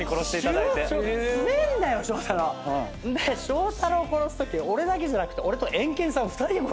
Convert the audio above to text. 祥太朗殺すとき俺だけじゃなくて俺と。